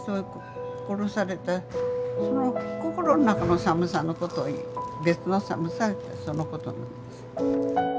殺されたその心の中の寒さのことを「別の寒さ」ってそのことなんです。